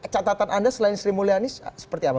catatan anda selain sri mulyani seperti apa